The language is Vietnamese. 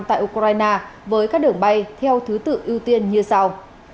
tại ukraine với các đường bay theo thứ tự ưu tiên như sau